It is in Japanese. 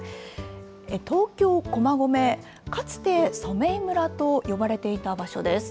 東京・駒込、かつて、染井村と呼ばれていた場所です。